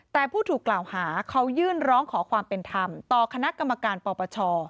แต่ผู้ถูกกล่าวหาเขายื่นร้องขอความเป็นธรรมต่อคณะกรรมการปปช